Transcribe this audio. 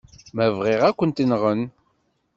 Ma bɣiɣ, ad kent-nɣen.